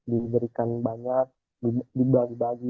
diberikan banyak dibagi bagi